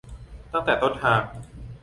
ตั้งแต่ต้นทาง